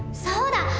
そうだ！